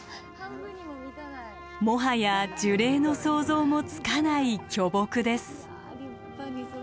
もはや樹齢の想像もつかない巨木です。